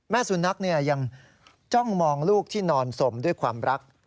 สุนัขยังจ้องมองลูกที่นอนสมด้วยความรัก